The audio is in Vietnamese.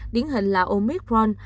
điển hình là omicron